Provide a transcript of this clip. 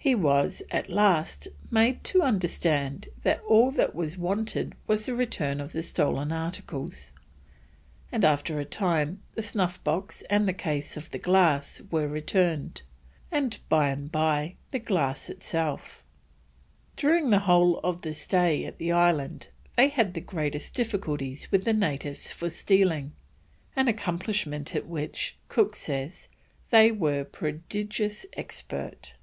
He was, at last, made to understand that all that was wanted was the return of the stolen articles, and after a time the snuff box and the case of the glass were returned, and, by and by, the glass itself. During the whole of the stay at the island they had the greatest difficulties with the natives for stealing, an accomplishment at which, Cook says, they were "prodigious expert."